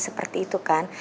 seperti itu kan